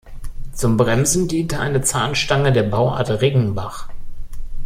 Zum Bremsen diente eine Zahnstange der Bauart Riggenbach.